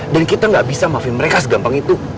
dan kita gak bisa maafin mereka segampang itu